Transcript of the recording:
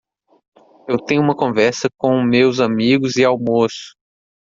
Eu tenho uma conversa com meus amigos e almoço.